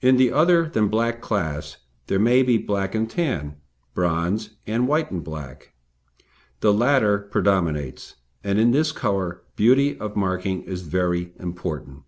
In the other than black class, there may be black and tan, bronze, and white and black. The latter predominates, and in this colour, beauty of marking is very important.